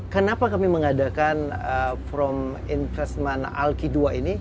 kenapa kami mengadakan from investment alki dua ini